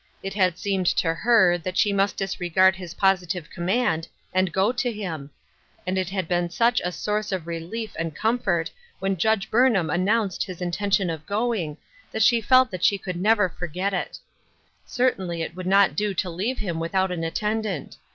It had seemed to her that she must disregard his positive command and go to him ; and it had been such a source of relief and comfort when Judge Burnham announced his intention of going, that she felt she could never forget it. Certainly it would not do to leave him without an attendant.